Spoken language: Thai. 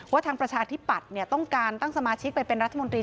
ว่าพระธิบัตรต้องการตั้งสมาชิกไปเป็นรัฐมนตรี